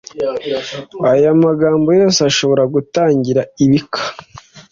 Aya magambo yose ashobora gutangira ibika